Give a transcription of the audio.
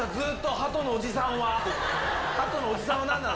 ハトのおじさんはなんなの。